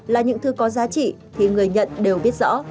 là những thứ có giá trị thì người nhận đều biết rõ